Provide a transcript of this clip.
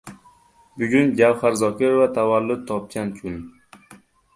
Bugun Gavhar Zokirova tavallud topgan kun